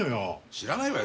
知らないわよ